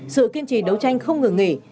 sự kiên trì đấu tranh không ngừng nghỉ